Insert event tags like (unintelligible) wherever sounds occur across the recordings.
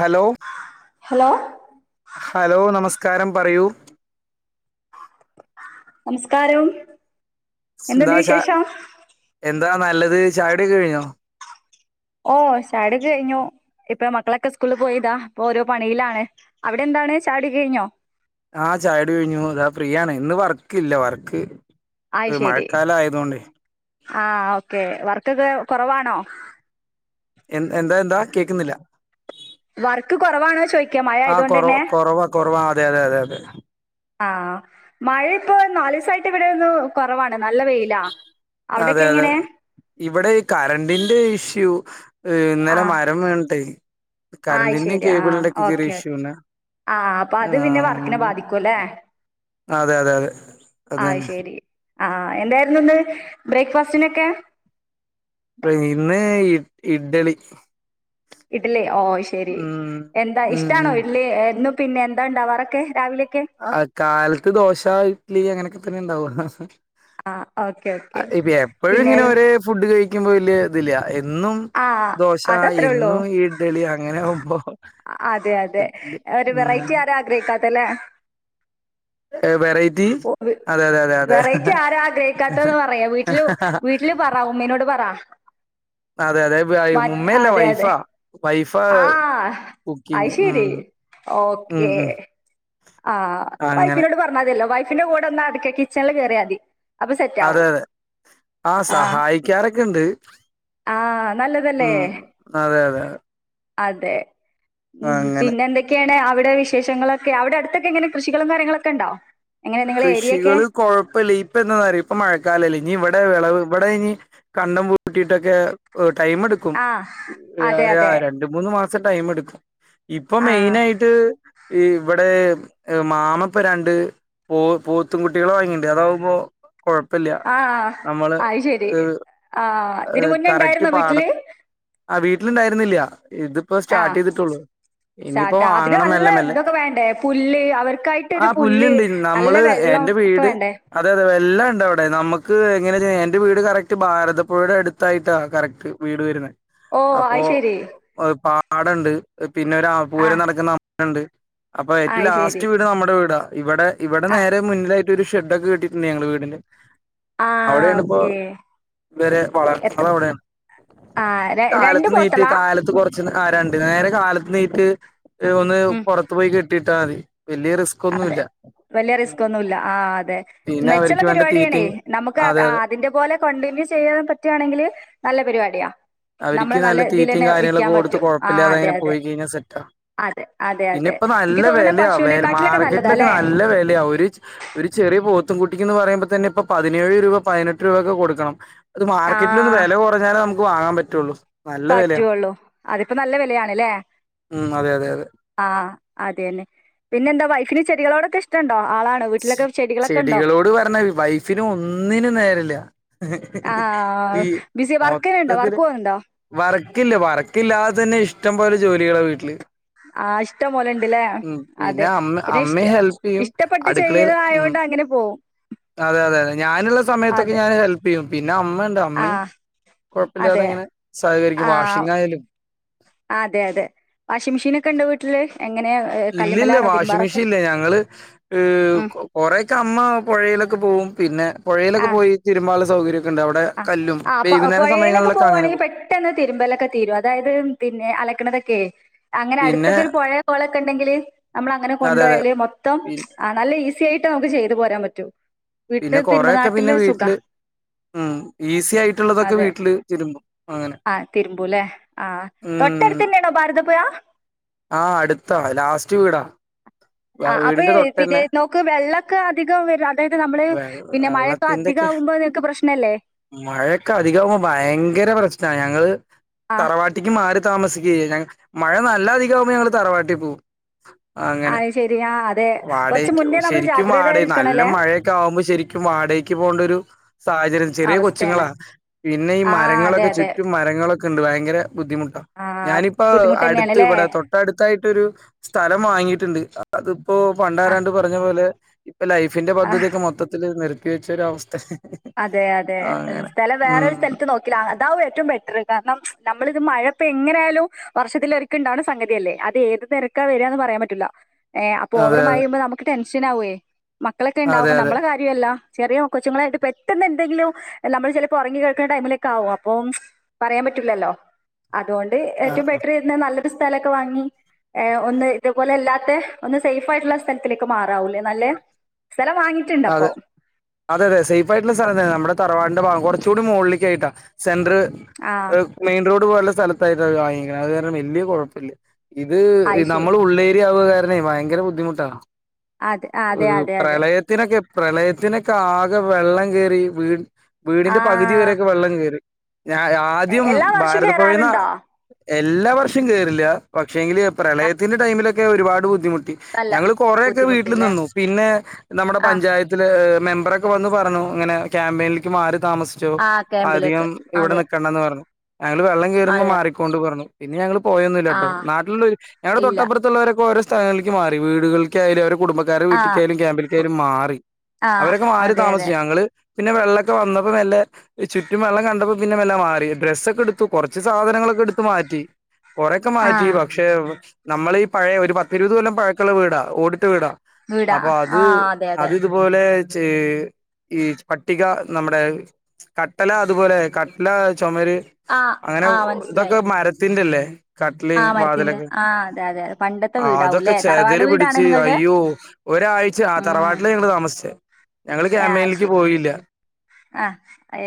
Hello hello hello നമസ് കാരം പറയൂ നമസ്കാരം എന്തുണ്ട് വിശേഷം ന്താ നല്ലത് ചായകുടിയൊക്കഴിഞ്ഞോ ഓ ചായകുടിയൊക്കഴിഞ്ഞു ഇപ്പ മക്കളൊക്കെ സ്കൂളി പോയിതാ ഇപ്പൊ ഓരോ പണിയിലാണ് അവിടെ എന്താണ് ചായകുടിയൊക്കെഴിഞ്ഞോ ആഹ് ചായകുടി കഴിഞ്ഞു അതാ ഫ്രീയാണ് ഇന്ന് വർക്കില്ല വർക്ക് അയ് ഒരു ശരി മഴക്കാലായതു കൊണ്ടേ ആ ഓക്കെ വർക്കൊക്കെ കൊറവാണോ എ എന്താ എന്താ കേക്കുന്നില്ല വർക്ക് കൊറവാണോ ചോയ്ക്ക്യ മഴ ആഹ് കൊറ ആയതുകൊണ്ടന്നെ കൊറവാ കൊറവാ അതെ അതെ അതെ അതെ ആഹ് മഴ ഇപ്പൊ നാലൂസായിട്ട് ഇവിടെയൊന്ന് കൊറവാണ് അതെ അതെ ഇവിടെ ഈ കറണ്ടിന്റെ ഇഷ്യൂ ഏഹ് ആ ഇന്നലെ മരം വീണട്ടേ ആയ് കറണ്ടിന്റേം ശരി ആ കേബിളിന്റെയൊക്കെ ഓക്കെ ചെറിയ ഓക്കെ ഇഷ്യൂണ് ആ അപ്പൊ അത് പിന്നെ വർക്കിനെ ആഹ് ബാധിക്കൂല്ലേ അതെ അതെ അത് ആയ് തന്നെ ശരി. ആ എന്തായിരുന്നു ഇന്ന് ബ്രേക്ക്ഫാസ്റ്റിനൊക്കെ? ഇഡ്ഡളി. ഇഡലി ഓ ശെരി എന്താ ഉം ഇഷ്ടാണോ ഉം ഇഡ്ലി എന്നും? പിന്നെ എന്താണ്ടാവാറൊക്കെ രാവിലെ ആ കാലത്ത് ദോശ ഇഡ്ലി അങ്ങനൊക്കെ. (unintelligible) ആഹ് ഓക്കെ ഓക്കെ. ഇപ്പ എപ്പോഴും പിന്നെ ഇങ്ങനെ ഒരേ ഫുഡ് കഴി കഴിക്കുമ്പോ വല്യ ഇതില്യ ഏ എന്നും ആഹ് ദോശ അതത്രേ ഉള്ളൂ. എന്നും ഇഡലി അങ്ങനെയാവു അതെ അതെ ഒരു ഉം വെറൈറ്റി ആരാ ആഗ്രഹിക്കാ ത്തല്ലേ? ഏ വെറൈ ഓ വെറൈറ്റി ആരാ ആഗ്രഹിക്കാത്തന്ന് പറയാ വീട്ടില് വീട്ടില് പറ ഉമ്മീനോട് പറ അതെ അതെ മ ഉമ്മയല്ല അതെ അതെ വൈഫാ വൈഫാ ആഹ് അത് കുക്കിങ് ഉം ശരി ഉം ഉം. ആ അങ്ങനെ വൈഫിനോട് പറഞ്ഞാതി ല്ലോ വൈഫിന്റെ കൂടെ ഒന്ന് അടുക്കെ കിച്ചൺല് കേറിയാതി അപ്പൊ സെറ്റ് അതെ ആവും അതെ ആ ആഹ് സഹായിക്ക്യാറൊക്കെണ്ട് ആഹ് ഉം നല്ലതല്ലേ? അതെ അതെ അതെ ഉം അങ്ങനെ പിന്നെ എന്തൊക്കെയാണ് അ അവിടെ വിശേഷങ്ങളൊക്കെ അവ്ടെ അടു ക്കെങ്ങനെ കൃഷികളും കാര്യങ്ങളൊക്കെ ണ്ടോ? കൃഷികള് കൊഴപ്പില്ല. ഇപ്പ എന്നാന്നറിയോ ഇപ്പ മഴക്കാല ല്ലേ. ഞ്ഞി ഇവിടെ വെളവ്. ഇവടെ അയ്‌ന് കണ്ടം പൂട്ടിയിട്ടൊക്കെ ടൈം എടുക്കും. ആഹ് അതെ അതെ രണ്ട്, മൂന്ന് മാസം ടൈം എടുക്കും. ഇപ്പൊ ആഹ് മെയിനായിട്ട്. ഈ ഇവ്ടെ മാമപ്പ രണ്ട് പോ പോത്തും കുട്ടികളെ വാങ്ങീണ്ട്. അതാവുമ്പോ കൊഴപ്പില്ല ആഹ്. നമ്മള് അ ശരി ആ തിന്നെ മുന്നേ കറക്റ്റ് ഇണ്ടായിരുന്നോ പാട വീട്ടില്? ആ വീട്ടിലിണ്ടായിര്ന്നില്ല. ആഹ് ഇനിയിപ്പോ സാട്ട അതിന് വാങ്ങണം മെല്ലെ നല്ല മെല്ലെ ഇതൊക്കെ വേണ്ടേ പുല്ല് ആ അവർക്കായിട്ടൊരു പുല്ല് പുല്ലുണ്ട് നല്ല നമ്മള് വെള്ളം എന്റെ ഒക്കെ വീട് വേണ്ടേ? അതെ അതെ. എല്ലാം ണ്ട അവ്ടെ നമ്മക്ക് എങ്ങനെയാ എന്റെ വീട് കറക്റ്റ് ഭാരതപ്പുഴയുടെ അടുത്തായിട്ടാ കറക്റ്റ് വീട് വരുന്നെ. ഓ ആയ് ശരി. പാടണ്ട്. പിന്നെ ഒര പൂരം ആഹ് നടക്ക്ന്ന അ (unintelligible) ണ്ട് അപ്പൊ ഏറ്റവും അത് ശരി ലാസ്റ്റ് വീട് നമ്മടെ വീടാ ഇവടെ ഇവടെ ആഹ് നേരെ മുന്നിലായി ഒരു ഷെഡ് ഒക്കെ കെട്ടിട്ടുണ്ട് ഞങ്ങള് വീടിന്റെ ആഹ് അവിടെണ് ഇപ്പോ ഓക്കെ ഇവരെ എത്ര വളർത്ത്ണത് അവിടെണ് ആഹ് രണ്ട് കാലത്ത് നീറ്റ് പോത്തളാ? കാലത്ത് കൊറച്ച് നേ ആഹ് രണ്ട് നേരെ കാലത്ത് നീറ്റ് ഒന്ന് ഉം പൊറത്ത് പോയി കെട്ടിട്ട് ഇട്ടാതി വല്ല്യ റിസ്കൊന്നുല്ല വല്ല്യ റിസ്ക് ഒന്നുംല്ല ആഹ് അതെ മെച്ചള്ള അവർക്ക് വേണ്ട പരിപാട്യാണേ തീറ്റയും നമുക്ക് അതെ അത് ആഹ് അതിന്റെ പോലെ കണ്ടിന്യൂ ചെയ്യാൻ പറ്റ്യാണെങ്കില് നല്ല പരിപാടിയാ അവര്ക്ക് നമ്മള് നല്ല ഇതിൽ തീറ്റയും തന്നെ കാര്യങ്ങളൊക്കെ വിൽക്കാൻ കൊടുത്ത് പറ്റും ആ കൊഴപ്പല്ലാതെ അതെ അങ്ങനെ അതെ പോയി കഴിഞ്ഞാസെറ്റാ അതെ അതെ പിന്നെ അതെ ഇപ്പോ എനിക്ക് നല്ല തോന്നുന്നു വെലയാ വെ പശുവിനെക്കാട്ടിലൊക്കെ മ- നല്ലതാ വിറ്റ്ലൊക്കെ അല്ലേ നല്ല വെലയാ ഒര് ഒര് ചെറിയ പോത് ത്തുംകുട്ടി എന്ന് പറയുമ്പോ തന്നെപ്പൊ പതിനേഴ് രൂപ പതിനെട്ട് രൂപയക്കെ കൊടുക്കണം അത് ആ മാർക്കറ്റിൽ ഒന്ന് വില കുറഞ്ഞാല ക്കും ആകാൻ പറ്റ റ്റൊള്ളു പറ്റുവൊള്ളൂ അതിപ്പോ നല്ല വെ ലയാണല്ലേ ഉം അതെ അതെ അതെ ആഹ് അതെന്നെ പിന്നെ എന്താ വൈ പിന്നെ ചെടികളോടൊക്കെ ഇഷ്ടമൊണ്ട് ചെടികളോട് പറഞ്ഞാ വൈഫിനും ഒന്നിനും നേരല്ല ആ ഈ ബിസി വർക്ക്നെ ഉണ്ടോ മൊത്തത്തില് വർക്ക് പോന്നുണ്ടോ വർക്കില്ല വർക്കില്ലാതെ തന്നെ ഇഷ്ടം പോലെ ജോലികളാ വീട്ടില് ആ ഇഷ്ടം പോലെണ്ടല്ലേ ഉം പിന്നെ അതെ അമ്മ പിന്നെ അമ്മയും ഇഷ് ഹെൽപ് ചെയ്യും ഇഷ്ടപ്പെട്ട അടുക്കളയിൽ ഉം അതെ അതെ അതെ ഞാനൊള്ള സമയത്തൊക്കെ അതെ ഞാൻ ഹെൽപ് (unintelligible) അമ്മയും ആഹ് കുഴപ്പമില്ലാതെ അതെ ഇങ്ങനെ സഹകരിക്കും ആ വാഷിംഗ് ആയാലും അതെ അതെ വാഷിംഗ് മെഷീനൊക്കെ ഒണ്ടോ വീട്ടില് എങ്ങനെ ഇല്ലില്ല കല്ലുമ്മലാണോ വാഷിംഗ് തിരുമ്പാറൊക്കെ മെഷീൻ ഇല്ല ഞങ്ങള് ഉം കൊറേയൊക്കെ അമ്മ പൊഴയിലൊക്കെ പോവും പിന്നെ പൊഴയിലൊക്കെ ആഹ് പോയി തിരുമ്മാനൊള്ള സ സൗകര്യം ആഹ് ആ പൊഴയിലൊക്കെ അങ്ങനെ പോവാണെങ്കില് പോകും പെട്ടെന്ന് തിരുമലൊക്കെ തീരും അതായത് പിന്നെ അലക്കണതൊക്കെ അങ്ങനെ പിന്നെ അടുത്തൊക്കെ ഒരു പൊഴയോ കൊളൊക്കെ ഉണ്ടെങ്കില് നമ്മള് അങ്ങനെ അതെ അതെ കൊണ്ടുപോയാല് മൊത്തം പി ആ നല്ല ഈസ് ത്തിയായിട്ട് നമ്മുക്ക് ചെയ്ത് പോരാൻ പറ്റും പിന്നെ വീട്ടില് കൊറേഒക്കെ പിന്നെ തിരുമ്പനാട്ടില് സുഖാ വീട്ടില് ഉം ഈസി ആയിട്ടുള്ളതൊക്കെ അതെ വീട്ടില് തിരുമ്പും അങ്ങനെ ആ തിരുമ്പൂല്ലേ ആഹ് ഉം തൊട്ടടുത്ത് തന്നെയാണോ ഭാരത പുഴ ആഹ് അടുത്താണ് ലാസ്റ്റ് വീടാ ആ വ- അപ്പൊ വീടിന്റെ പിന്നെ തൊട്ടന്നെ നമ്മക്ക് വെള്ളൊക്കെ അധികം വര അതായത് നമ്മള് പിന്നെ മഴയൊക്കെ വെള്ളത്തിന്റെക്കെ അധികമാവുമ്പോ നിങ്ങക്ക് പ്രശ്നല്ലേ മഴയൊക്കെ അധികമാകുമ്പോ ഭയങ്കര പ്രശ്നാ ഞങ്ങള് ആഹ് തറവാട്ടിക്ക് മാറി താമസിക്കുക ചെയ്യുന്നേ മഴ നല്ല നിക്കു നിക്കുവാണേ ഞങ്ങള് തറവാട്ടിൽ പോവും അങ്ങനെ ആഹ് ശരി ആഹ് അതെ കുറച്ച് വാടകക്ക് മുന്നേ നമ്മൾ ശരിക്കും വാട നല്ല ജാഗ്രതയിരിക്കണല്ലേ മഴയൊക്കെ ആകുമ്പോൾ ശരിക്കും വാടകക്ക് പോകേണ്ട ഒരു സാഹചര്യം ചെറിയ അവസ്ഥയാണ് കൊച്ചുങ്ങളാ പിന്നെ ഈ ആഹ് അതെ മരങ്ങളൊക്കെ അതെ ചുറ്റും മരങ്ങളൊക്കെ ക്കെണ്ട് ഭയങ്കര ബുദ്ധിമുട്ടാ ആഹ് ഞാനിപ്പോ ബുദ്ധിമുട്ട് അടുത്ത് തന്നെയാണല്ലേ ഇവിടെ അടുത്തായിട്ടൊരു സ്ഥലം വാങ്ങിയിട്ടുണ്ട് അത് ഇപ്പൊ ആഹ് പണ്ടാരാണ്ട് പറഞ്ഞ പോലെ ഇപ്പൊ ലൈഫിന്റെ ആഹ് പദ്ധതി ഒക്കെ മൊത്തത്തില് നി പേടിച്ചൊരു അവസ്ഥയെ അതെ അതെ സ്ഥലം ഉം വേറൊരു സ്ഥലത്ത് നോക്കില്ലേ അതാവും ഏറ്റവും ബെറ്ററ് കാരണം നമ്മളിത് മഴ ഇപ്പൊ എങ്ങനെയായാലും വർഷത്തിലൊരിക്ക ഇണ്ടാവണ സംഗതിയല്ലേ അതേത് തെരക്കാ വരികാന്ന് പറയാൻ പറ്റുല്ലാ ഏഹ് അപ്പോ ഓവറ് അതെ മഴ പെയ്യുമ്പോ നമുക്ക്‌ ടെൻ ഷനാവുവേ മക്കളക്കെ അതെ ഇണ്ടാവുമ്പോ അതെ നമ്മളെ കാര്യമല്ല ചെറിയ കൊച്ച്ങ്ങളായിട്ട് പെ ട്ടെന്നെന്തെങ്കിലും നമ്മള് ചെലപ്പോ ഒറങ്ങി കെടക്കുന്ന ടൈമിലൊക്കാവും അപ്പോം പറയാൻ പറ്റുലല്ലോ അതുകൊണ്ട് ഏറ്റവും ബെറ്ററ് ചെയ്യുന്നതാ നല്ല സ്ഥലൊക്കെ വാങ്ങി ഏഹ് ഒന്ന് ഇതുപോലെ അല്ലാത്തെ ഒന്ന് സേഫായിട്ടുള്ള സ്ഥലത്തിലേക്ക് മാറാവൂല്ലേ നല്ലേ സ്ഥലം വാങ്ങിയിട്ടുണ്ട് അതെ അപ്പൊ അതെ അതെ സേഫ് ആയിട്ടുള്ള സ് സ്ഥലം തന്നെ നമ്മടെ തറവാടിന്റെ ഭാഗം കൊറച്ചൂടി മോളിലേക്കായിട്ടാ സെന്ററ് ആ ഏഹ് മെയിൻറോ ഡു പോലുള്ള സ്ഥലത്തായിട്ടാണ് വാങ്ങിക്കണെ അത് കാരണം വല്ല്യ കൊഴപ്പില്ല ഇത് ആയി ശരി നമ്മള് ഉള്ളേ (unintelligible) ആവു ആരുന്നേ ഭയങ്കര ബുദ്ധിമുട്ടാ അതെ അതെ അതെ അതെ ത്തിനൊക്കെ പ്രളയത്തിനൊക്കെ ആകെ വെള്ളം കേറി വീട്. ആ വീടിന്റെ പകുതി വരെയൊക്കെ വെള്ളം കേറി. ഞാ എ- ആദ്യം എല്ലാ വർഷം ഭാരതാപ്പുഴേന്നാ. കേറാറുണ്ടോ എല്ലാ വർഷം കേറില്ല പക്ഷേങ്കില് പ്രളയത്തിന്റെ ടൈമിലൊക്കെ ഒരുപാട് ബുദ്ധിമുട്ട് ട്ടി. അല്ല ഞങ്ങള് കൊറെക്കെ വീട്ടില് ബുദ്ധിമുട്ടില്ലേ നിന്നു പിന്നെ നമ്മുടെ ആ പഞ്ചായത്തില് മെമ്പറൊക്കെ വന്ന് പറഞ്ഞു ഇങ്ങനെ ക്യാമ്പയിൻല്ക്ക് മാറ് താമസിച്ചോ ആ ക്യാമ്പിലേക്ക് അധികം ഇവിടെ അതെ നിക്കണ്ടന്ന് പറഞ്ഞു. ഞങ്ങള് വെള്ളം കേറുമ്പോ അതെ മാറിക്കൊണ്ട് പറഞ്ഞു. പിന്നെ ഞങ്ങള് ആ പോയൊന്നുല്ലാട്ടോ നാട്ട്ല് ഞങ്ങൾടെ ഇല്ല തൊട്ടപ്പുറത്തുള്ളവരൊക്കെ ഓരോ സ്ഥ സ്ഥലക്ക് മാറി വീടുകൾക്കായാലും അവ കുടുംബക്കാരുടെ ആ വീട്ടിക്കായാലും ക്യാമ്പിൽ കു- മാറി ആ അവരൊക്കെ മാറി അതെ അതെ താമസിച്ച് ഞങ്ങള് പിന്നെ വെള്ളൊക്കെ വന്നപ്പോ മെ ല്ലെ ചുറ്റും വെള്ളം കണ്ടപ്പോ പിന്നെ മല്ലെ മാറി ഡ്രസ്സൊക്കെ എടുത്തു കൊർച്ച് സാധനങ്ങളൊക്കെ എടുത്ത് മാറ്റി. കൊറെക്കെ ആ മാറ്റി പക്ഷെ നമ്മളെ ഈ പഴയ ഒരു പത്തിരുപത് കൊല്ലം പഴക്കുള്ള വീടാ ഓടി ഇട്ട വീടാ വീടാ അപ്പൊ അത് ആ അതെ അതെ അത് ഇതുപോലെ (unintelligible) ഈ പട്ടിക നമ്മുടെ കട്ടല അതുപോലെ കട്ടല ചുമര് ആ അങ്ങനെ ആ മനസ്സിലായി ഇതൊക്കെ മരത്തി തിന്നല്ലേ കട്ടല ആ മരത്തിന്റെ വാതിലൊക്കെ ആ അതെ അതെ അതെ പണ്ടത്തെ അതൊക്കെ വീടാവൂല്ലേ തറവാട് ചെതല് വീടാണ് പിടിച്ച് നിങ്ങളത് അയ്യോ ഒരാഴ്ച ഉം തറവാട്ടിലേ ഞങ്ങള് താമിച്ചത് ഞങ്ങള്ൾ ആ ക്യാമയിലേക്ക് ശരി പോയില്ല ആ ഏ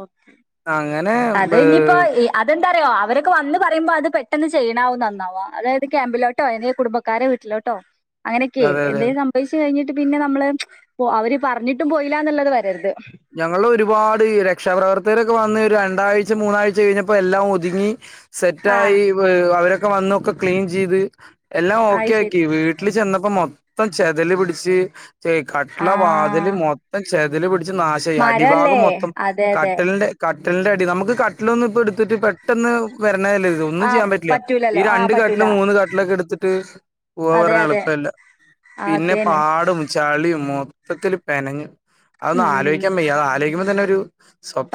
ഓക്കെ അങ്ങനെ അത് ബ് ഇനിയിപ്പോ അതെന്താറിയോ അവരൊക്കെ വന്ന് പറയുമ്പോ അത് - - പെട്ടെന്ന് ചെയ്യണാവും നന്നവാ അതായത് ക്യാമ്പിലോട്ടോ അ കുടുംബക്കാരെ വീട്ടിലോട്ടോ അങ്ങനെയൊക്കെ അതെ അതെ എന്തും സംഭവച്ച് കഴി ഞ്ഞ് പിന്നെ നമ്മള് അവര് പറഞ്ഞിട്ടും പോയില്ല എന്നുള്ളത് വരരുത് ഞങ്ങൾ ഒരുപാട് രക്ഷാപ്രവർത്തകരൊക്കെ വന്ന് രണ്ടാഴ്ച മൂന്നാഴ്ച കഴിഞ്ഞപ്പോ എല്ലാം ഒതുങ്ങി ആ സെറ്റായി അവര ക്കെ വന്നൊക്കെ ക്ലീൻ ചെയ്ത് എല്ലാം ഓക്കെ അത് ശരി ആക്കി വീട്ടിൽ ചെന്ന അപ്പൊ മൊത്തം ചതലി പിടിച്ച് ച ആ കട്ടല വാതില് മൊത്തം ചേതൽ പിടിച്ച് നാശയി മരല്ലേ അടിഭാഗം മൊത്തം അതെ അതെ കട്ടലിന്റെ കട്ടിലിന്റെ അടി നമുക്ക് കട്ടിലൊന്ന ഇപ്പ എടുത്തിട്ട് പെട്ടൊന്ന് വര ഒന്നും ആ ചെയ്യാൻ പറ്റില്ല ഈ പറ്റൂലല്ലോ ആ രണ്ട് കട്ടിൽ പറ്റൂല മൂന്ന് കട്ടിലൊക്കെ എടുത്തിട്ട് പോവാ അതെ പറഞ്ഞ അതെ എളുപ്പല്ല പിന്നെ അതന്നെ പാടും ചളിയ മൊത്തത്തില്ൽ പെനഞ് അതൊന്ന് ഉം ആലോക്കാൻ വയ അ ത്ആചിക്ക്പോ അങ്ങനൊരു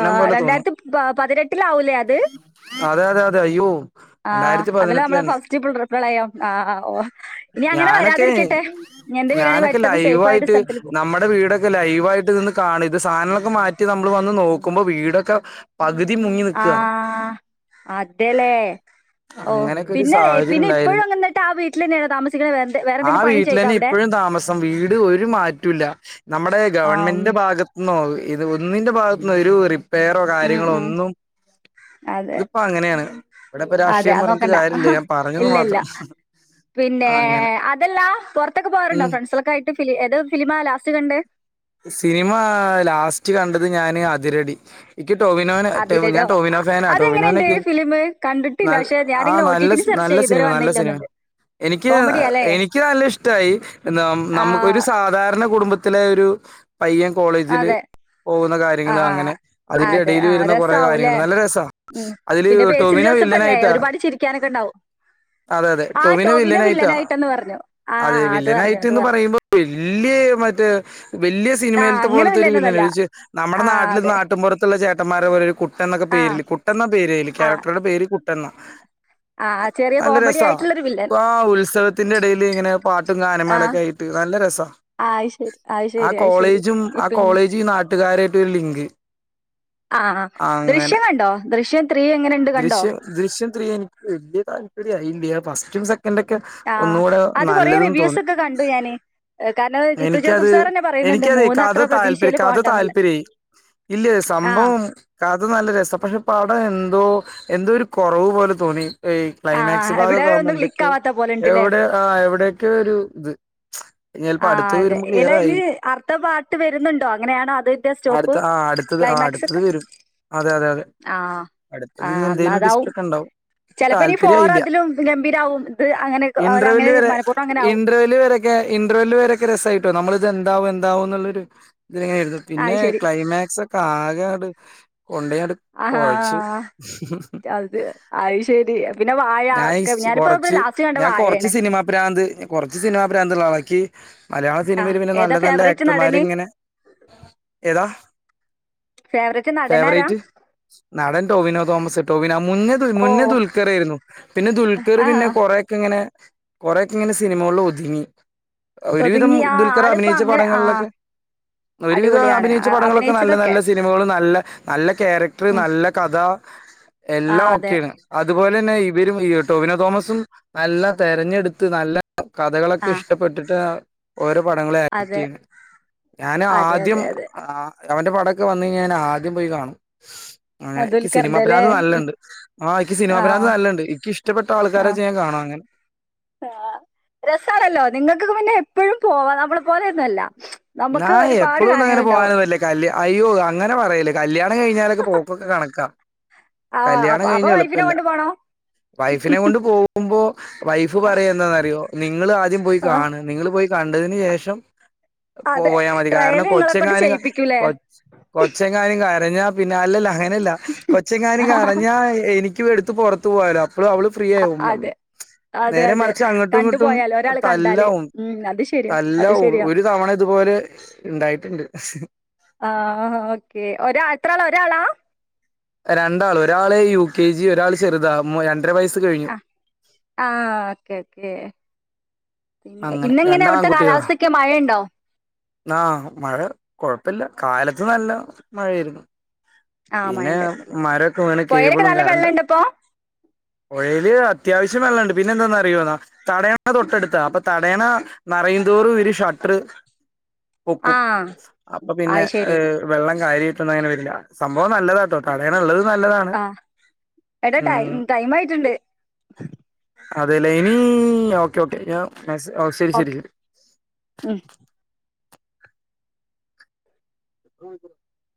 ആ രണ്ടായിരത്തി പ പതിനെട്ടിലാവൂലേ അത് അതെ അതെ അതെ അയ്യോ ആഹ് രണ്ടായിരത്തി അതല്ല നമ്മളെ പതിനെട്ടിലെന്നെ ഫസ്റ്റ്പ്രളയം ആ ഓ ഇനി അങ്ങനെ ഞാനൊക്കെ വരാതിരിക്കട്ടെ എ എന്റെ പേരിണ ഞാനൊക്കെ പെറ്റന്ന് സേഫ് ആയിട്ട് ലൈവായിട്ട് സ്ഥലത്ത കാണ ഇത് സാധനങ്ങളൊക്കെ മാറ്റി നമ്മൾ വന്ന് നോക്കുമ്പോ വീടൊക്കെ പകുതി മുങ്ങി ആ നിക്കാ അതേല്ലേ ഓ അങ്ങനെയൊക്കെ ഒരു പിന്നെ സാഹചര്യം പിന്നെ ഇപ്പോഴും ഉണ്ടായിരുന്നു അങ്ങിട്ട് ആ വീട്ടിൽ തന്നെയണ താമസിക്കണ വേ വേറെ ആ എന്തെങ്കിലും പണി ചെയ്തോ വീട്ടിലന്നെ അവിടെ ഇപ്പോഴും താമസം വീട് (unintelligible) നമ്മുടെ ആഹ് ഗവൺമെന്റ് ഉം ന്റെ ഭാഗത്തുനിന്ന് ഒ ഇത് ഒന്നിന്റെ ഭാഗത്തു നിന്ന് ഒരു റിപ്പ് മ് ഹും അതെ അതിപ്പോ അങ്ങനെയാണ് ഇവിടെ ഇപ്പ അതെ രാഷ്ട്രീയം അത് പറഞ്ഞിട്ട് നോക്കണ്ട കാര്യമില്ല ഞാൻ പറഞ്ഞന്ന് ഇല്ലല്ല മാത്രം പിന്നെ അങ്ങനെ അതല്ല പുറത്തൊക്കെ പോവാറുണ്ടോ ഉം ഫ്രണ്ട്സൊക്കെ ആയിട്ട് ഫിലി ഏത് ഫിലിംമാ ലാസ്റ്റ് കണ്ടേ സിനിമ ലാസ്റ്റ് കണ്ടത് ഞാന് അതിരടി എനിക്ക് ടോവിനോ ഞാൻ അതിരരോ ടോവിനോ ഫാന അതെങ്ങനെയുണ്ട് ടോവിനോൻക്ക് ഫിലിം കണ്ടിട്ടില്ല പക്ഷെ ആ ഞാനിങ്ങനെ ഒ ടി നല്ല ടിയിൽ സെർച്ച് നല്ല ചെയ്യും സിനിമ ഇതുവരെ നല്ല വന്നില്ല സിനിമ തോന്നുന്നുണ്ട് എനിക്ക് കോമഡിയാ അല്ലേ എനിക്ക് നല്ല ഇഷ്ട്ടായി നമുക്ക് ഒരു ആഹ് സാധാരണ കുടുംബ ത്തിലെ ഒരു പയ്യൻ കോളേജിൽ അതെ പോകുന്ന കാര്യങ്ങൾ ആഹ് അങ്ങനെ അതിന്റെ അതെ ഇടയിൽ ആഹ് വരുന്ന കുറേ രസാവൂലേ കാര്യങ്ങള് നല്ല രസാ ഉം അതില് പിന്നെ ബേസിൽ ടൊവിനോ ജോസഫ് അല്ലേ വില്ലനായിട്ടാ ഒരുപാട് ചിരിക്കാനൊക്കെ ഉണ്ടാവും അതെ അതെ ആ ടൊവിനോ ടോവിനോ വില്ലനായിട്ടാ വില്ലനായിട്ടെന്ന് പറഞ്ഞു ആ അതെ അത് പറഞ്ഞു അത് വില്ലനായിട്ട്ന്ന് പറഞ്ഞു പറയുമ്പോ ഇല്ലയെ മറ്റേ വലിയ ആ സിനിമയിലത്തെ അങ്ങനെ പോലത്തെ ഒരു വില്ലൻ വില്ലനൊന്നല്ല നമ്മുടെ ആ നാട്ടിൽ അതെ നാട്ടും പുറത്തുള്ള ചേ തെമ്മാര (unintelligible) തെന്ന ആ പേരില് കുട്ടൻ എന്ന പേര് അയ്ല് ആ കാരക്റ്റരുടെ പേരിൽ കുട്ട ട്ടെന്ന് ആ ചെറിയ നല്ല കോമഡി രസാ ആയിട്ടുള്ളൊരു വില്ലൻ ആ ഉത്സവത്തിന്റെ ഇടേൽ ഇങ്ങനെ പാട്ടും ആ ഗാനങ്മേളേൊക്കെ ആയിട്ട് നല്ല രസ ആ അത് ശരി അത് ശരി ആഹ് അത് ശരി കോളേജും ഇ ആഹ് പിന്നെ കോളേജ് നാട്ടുകാരായിട്ട് വ ഇങ്ക് ആ ദൃശ്യം കണ്ടോ ദൃശ്യം ത്രീ എങ്ങനെയുണ്ട് കണ്ടോ ദൃശ്യം ദൃശ്യം ത്രീ എനിക്ക് വല്ല്യ താൽപര്യം ഇല്യ ഫസ്റ്റും സെക്ക ക്കെ ആ ഒന്നുകൂടെ അത് കുറേ നല്ലതന്ന് റിവ്യൂസ് തോന്നി ഒക്കെ കണ്ടു ഞാന് ഏ, കാരണം ജിത്തു ജോസഫ് എനിക്കത് സാർ തന്നെ പറയുന്നുണ്ട് എനിക്കത് മൂന്ന് കഥ അത്ര താല്പര്യം പ്രതീക്ഷയിൽ കഥ പോകണ്ടെന്നുള്ളത് താല്പര്യ ഇല്ല ആ സംഭവം കഥ നല്ല രസ പക്ഷെ പടം എ എന്തോ എന്തോ ഒരു കൊറവ് പോലെ തോന്നി ഈ ആ ആ, ക്ലൈമാക്സ് എവിടെ ഭാഗൊക്ക ആവുമ്പോ ഒന്നും ക്ലിക്ക് എന്തൊക്കെയ ആവാത്ത പോലെ ഉണ്ടല്ലേ എവിടെ ആ എവിടെയൊക്കെ ഒരു ഇത് (unintelligible) ആ അതെ വരുമ്പോ ഇല്ല ക്ലിയർ ഇനി ആയിരിക്കും അർത്ഥ പാർട്ട് വരുന്നുണ്ടോ അങ്ങനെയാണോ അത് ഇ സ്റ്റോപ്പ് അടുത്ത ആ അടുത്തത് ആ ക്ലൈമാക്സ് അടുത്തത് ഒക്കെ വരും അതെ അതെ അതെ ആ അടുത്തത് ആ ഇനി എന്നാ എന്തേലും ട്വിസ്റ്റ് അതാവും ഒക്കെ ഉണ്ടാവും ചെലപ്പോ ഇനി ഫോർ താല്പര്യായില്ല അതിലും ഗംഭീരാവും ഇത് അങ്ങനെ ഓല് അങ്ങനെ ഇന്റർവല്ല് വരെ മനപ്പൂർവ്വം അങ്ങനെ ആവും ഇന്റർവല്ല് വരൊക്കെ ഇന്റർവല്ല് വരെ ഇത് രസായിട്ടോ നമ്മളിത് എന്താവും എന്താവും എന്നുള്ളൊരു ഇതിലങ്ങായിരുന്നു പിന്നെ അത് ശരി ക്ലൈമാക്സ്‌ ഒക്കെ ആകെ കൊണ്ടയാണ്ട് ആഹാ കൊയച് അത് അത് ശരി പിന്നെ വാഴ ഞാൻ ഒക്കെ ഞാനിപ്പോ ഇവിടെ കൊറച്ച് ലാസ്റ്റ് കണ്ട ഞാൻ കൊറച്ചു വാഴയാണ് സിനിമാ ഭ്രാന്ത് കുറച്ച് സിനിമാ ഭ്രാന്ത്ള്ള ആളാ ട്ടി മലയാള ആഹ് സിനിമയിൽ പിന്നെ ഏതാ നല്ല നല്ല ഫേവറേറ്റ് ആക്ടർമാര് നടന് ഇങ്ങനെ ഏതാ ഫേവറേറ്റ് നടനാരാ ഫേവറേറ്റ് നടൻ ടോവിനോ തോമസ് ടോവിനോ മുന്നേ ഓ മുന്നേ ദുൽക്കർ ആയിരുന്നു പിന്നെ ദുൽക്കർ പിന്നെ ആഹ് കുറെയോക്കെ ങ്ങനെ കൊറെക്കെ ഇങ്ങനെ സിനിമകളിൽ ഒതുങ്ങി ഒരുവിധം ഒതുങ്ങി ആ ദുൽഖർ ആളിപ്പോ അഭിനയിച്ച അങ്ങനെ ആഹ് പടങ്ങളിലൊക്കെ ഒരുവിധം അടിപൊളിയാണ് അഭിനയിച്ച പടങ്ങളൊക്കെ നല്ല അഭിനയിച്ചതൊക്കെ നല്ല സിനിമകൾ നല്ല നല്ല ക്യാരക്ടർ ഉം നല്ല കഥ എല്ലാം ആഹ് അതെ ഒക്കെയാണ് അതുപോലെ തെ രും ഈ ടോവിനോ തോമസും നല്ല തെരഞ്ഞെടുത്ത് നല്ല കഥകളൊക്കെ ആഹ് ഇഷ്ടപ്പെട്ടിട്ട് ഓര പടങ്ങ ആക്ട് അതെ ചെയ്യ ഞാന് അതെ ആദ്യം അതെ അതെ ആ അവന്റെ പടൊക്കെ വന്ന് കഴഞ്ഞാൽ ഞാൻ ആദ്യം പോയി കാണും അങ്ങനെ എനിക്ക് ദുൽഖറിന്റെല്ലേ സിനിമാപരാന്ത് നല്ലണ്ട് ആ എനിക്ക് ആഹ് സിനിമാപരാന്ത് ആഹ് നല്ലണ്ട് എനിഷ്ടപ്പെട്ട ആൾക്കാരെ ചെയ്യാൻ കാണ അനെ ആഹ രസാണല്ലോ നിങ്ങൾക്ക് പിന്നെ ഇപ്പോഴും പോവാ നമ്മള് പോലെ ഒന്നല്ല നാ എപ്പോഴും ഒന്നും അങ്ങനെ പോകാനൊന്നുമല്ലേ കല് അയ്യോ അങ്ങനെ പറയല്ല കല്യാണം കഴിഞ്ഞാലൊക്കെ പോക്കൊക്കെ കണക്കാ ആഹ് കല്യാണം അപ്പൊ അപ്പൊ കഴിഞ്ഞ വൈഫിനെ എളുപ്പല്ല കൊണ്ടു പോണോ വൈഫിനെ കൊണ്ട് പോകുമ്പോ വൈഫ് പറയ എന്താന്ന്റിയോ നിങ്ങള് ആ ആ പോയി ആഹ് കാണ് നിങ്ങൾ പോയി കണ്ടതിന് ശേഷം അതെ പോയാ മതി കാരണം ട്രയല് നിങ്ങളെ കൊണ്ട് കൊച്ചെങ്ങാനും ചെയ്യിപ്പിക്കൂലേ കൊ കൊച്ചെങ്ങാനും കാരണം പറഞ്ഞ പിന്നെ അല്ലല്ല അങ്ങനെയല്ല കൊച്ചങ്ങാന കറഞ്ഞ എനിക്ക് എടുത്ത് പുറത്ത് പോവാലോ അപ്പോ അവള് ഫ്രീ ആയി അതെ അതെ നേരെ അതെ മറിച്ച് അങ്ങോട്ടും കണ്ടു ഇങ്ങോട്ടും പോയാലോ ഒരാള് കണ്ടാല് തല്ലാവും ഉം അത് ശരിയാ അത് തല്ലാവും ശരിയാ ഒരു പോണത് ഇതുപോലെ ഉണ്ടായിട്ടുണ്ട് എന്ത്രയള രണ്ടാൾ ഒരാള് യു കെ ജി ഒരാൾ ചെറുത ര ആഹ് ആഹ ഓക്കെ ഓക്കേ പിന്നെ അങ്ങനെ ഇന്നെങ്ങനെ രണ്ട് അവിടുത്തെ ആൺകുട്ടികളാ കാലാവസ്ഥക്കെ മഴയുണ്ടോ ആ മഴ കൊഴപ്പില്ല കാലത്ത് നല്ല മഴായിരുന്നു ആഹ് മഴ പിന്നെ ഉണ്ടായിരുന്നല്ലേ മരമൊക്കെ വീണ് പുഴയിലൊക്കെ കേബിളും നല്ല കറണ്ട് വെള്ളമുണ്ടപ്പൊ പൊഴയിൽ അത്യാവശ്യം വെള്ളാണ്ട് പിന്നെന്താന്നറിയോന്ന് തടയ അതൊട്ടടുത്താ അപ്പ താ തടയണ നറയന്തോറു ഇവരു ഷട്ടറു പൊക്കും, ആഹ് അപ്പൊ പിന്നെ അത് ശരി വെള്ളം കാര്യായിട്ടൊന്നും അങ്ങനെവരില്ല. സംഭവം നല്ലതാട്ടോ തടയണള്ളത്. ആ എട ടൈം ടൈമായിട്ടുണ്ട്. അതെല്ലേ ഇനീ ഓക്കെ ഓക്കെ ഞാ ഓ ശരി ശരി ഓക്കെ ശരി. ഉം (inaudible)